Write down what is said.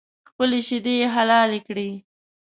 خپلې شیدې یې حلالې کړې